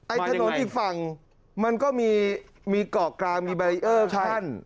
ไอ้ถนนที่ฝั่งมันก็มีมีเกาะกลางมีใบเยอร์ขั้น